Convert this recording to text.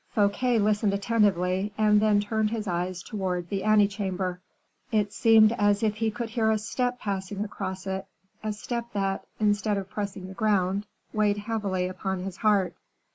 Fouquet listened attentively, and then turned his eyes towards the ante chamber. It seemed as if he could hear a step passing across it, a step that, instead of pressing the ground, weighed heavily upon his heart.